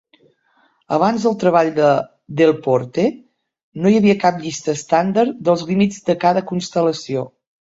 Abans del treball de Delporte, no hi havia cap llista estàndard dels límits de cada constel·lació.